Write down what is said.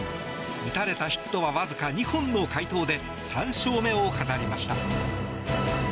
打たれたヒットはわずか２本の快投で３勝目を飾りました。